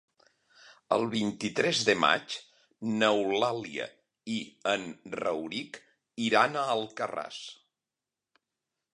El vint-i-tres de maig n'Eulàlia i en Rauric iran a Alcarràs.